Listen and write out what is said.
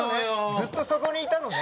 ずっとそこにいたのね？